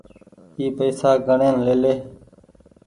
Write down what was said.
اي پئيسا گڻين ليلي ۔